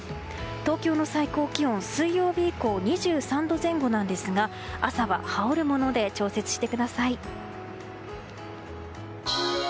東京の最高気温、水曜日以降２３度前後なんですが朝は羽織るもので調節してください。